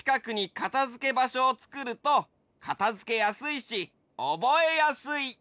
かたづけばしょをつくるとかたづけやすいしおぼえやすい！